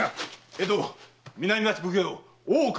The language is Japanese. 江戸南町奉行・大岡